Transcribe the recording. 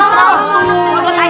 tapi kan mau dipakai